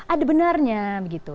ada benarnya begitu